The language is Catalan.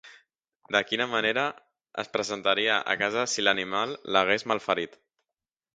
De quina manera es presentaria a casa si l'animal l'hagués malferit?